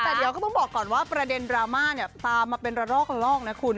แต่เดี๋ยวก็ต้องบอกก่อนว่าประเด็นดราม่าเนี่ยตามมาเป็นระลอกละลอกนะคุณ